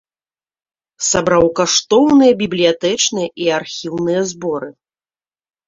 Сабраў каштоўныя бібліятэчныя і архіўныя зборы.